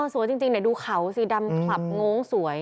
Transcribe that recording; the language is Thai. สวยจริงดูเขาสีดำขลับโง้งสวย